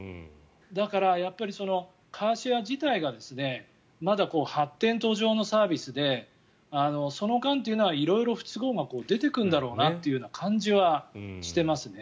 だから、カーシェア自体がまだ発展途上のサービスでその間というのは色々不都合が出てくるんだろうなという感じはしてますね。